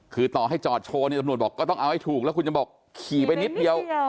คือต่อให้จอดโชว์เนี่ยตำรวจบอกก็ต้องเอาให้ถูกแล้วคุณจะบอกขี่ไปนิดเดียว